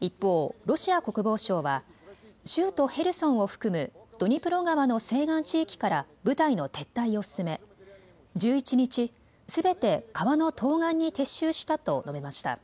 一方、ロシア国防省は州都ヘルソンを含むドニプロ川の西岸地域から部隊の撤退を進め１１日、すべて川の東岸に撤収したと述べました。